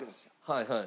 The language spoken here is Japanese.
はいはい。